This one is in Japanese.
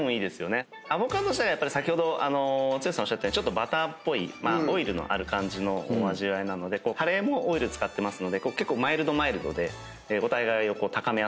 アボカド自体が先ほど剛さんおっしゃったようにバターっぽいオイルのある感じの味わいなのでカレーもオイル使ってますので結構マイルドマイルドでお互いを高め合ってくれる。